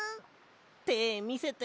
てみせて。